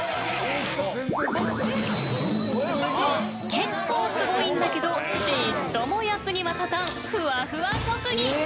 結構すごいんだけどちっとも役には立たんふわふわ特技。